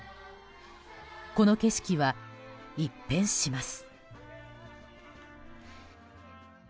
この景色は、一変します。